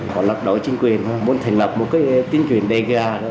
họ lập đổi chính quyền muốn thành lập một cái chính quyền đề gà thôi